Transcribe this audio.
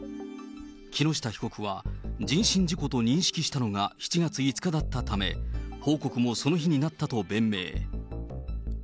木下被告は、人身事故と認識したのが７月５日だったため、報告もその日になったと弁明。